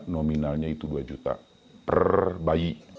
nominalnya itu dua juta per bayi